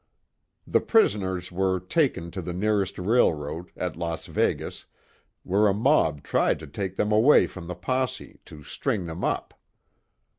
The prisoners were taken to the nearest railroad, at Las Vegas, where a mob tried to take them away from the posse, to string them up.